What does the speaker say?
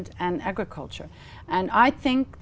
trung tâm mà tôi thích